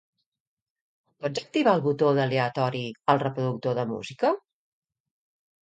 Pots activar el botó d'aleatori al reproductor de música?